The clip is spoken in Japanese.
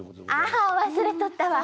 ああ忘れとったわ。